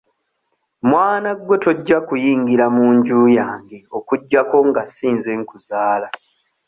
Mwana gwe tojja kuyingira mu nju yange okuggyako nga si nze nkuzaala.